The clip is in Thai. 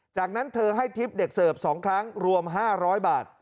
จากนั้นเธอให้ทริปเด็กเสิร์ฟ๒ครั้งรวม๕๐๐บาท